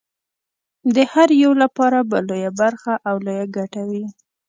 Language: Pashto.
د هر یوه لپاره به لویه برخه او لویه ګټه وي.